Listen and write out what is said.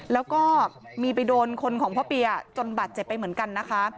แล้วก็มีไปโดนคนของพ่อเปียจนบาดเจ็บไปเหมือนกันนะคะ